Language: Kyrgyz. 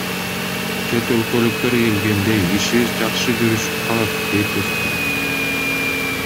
Чет өлкөлүктөр келгенде ишибиз жакшы жүрүшүп калат, — дейт уста.